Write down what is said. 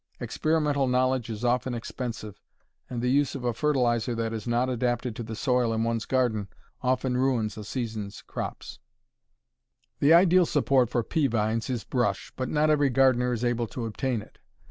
Experimental knowledge is often expensive, and the use of a fertilizer that is not adapted to the soil in one's garden often ruins a season's crops. The ideal support for pea vines is brush, but not every gardener is able to obtain it.